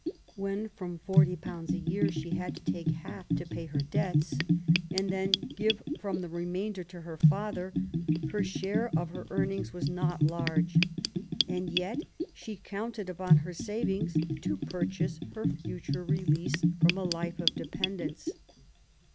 When from forty pounds a year she had to take half to pay her debts, and then give from the remainder to her father, her share of her earnings was not large. And yet she counted upon her savings to purchase her future release from a life of dependence.